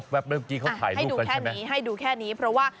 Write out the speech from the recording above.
แบบเมื่อกี้เขาถ่ายรูปกันใช่ไหมให้ดูแค่นี้ให้ดูแค่นี้เพราะว่า